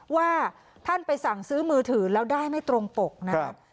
ว่าท่านไปสั่งซื้อมือถือแล้วได้ไม่ตรงปกนะครับ